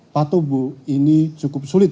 patobu ini cukup sulit